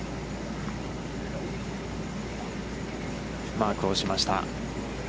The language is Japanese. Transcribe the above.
マークをしました。